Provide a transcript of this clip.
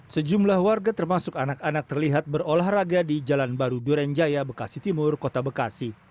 sejumlah warga termasuk anak anak terlihat berolahraga di jalan baru durenjaya bekasi timur kota bekasi